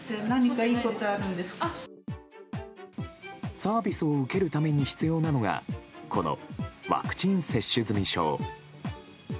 サービスを受けるために必要なのがこのワクチン接種済証。